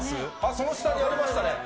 その下にありましたね。